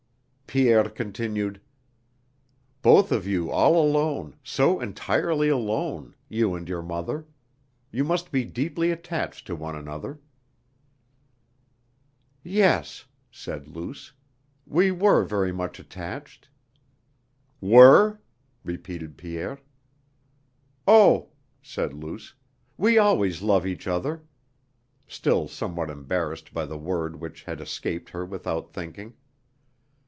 Pierre continued: "Both of you all alone, so entirely alone, you and your mother: you must be deeply attached to one another." "Yes," said Luce. "We were very much attached." "Were?" repeated Pierre. "Oh!" said Luce, "we always love each other;" still somewhat embarrassed by the word which had escaped her without thinking.